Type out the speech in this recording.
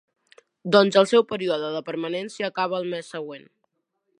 Doncs el seu període de permanència acaba el mes següent.